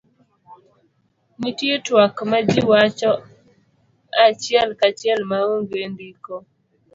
nitie twak majiwacho achiel kachiel ma onge ndiko